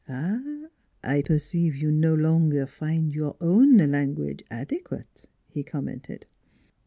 " Ah ! I perceive you no longer find your own language adequate," he commented.